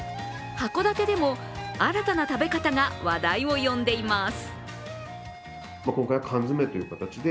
函館でも、新たな食べ方が話題を呼んでいます。